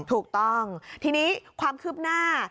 ถูกต้องทีนี้ความคืบหน้า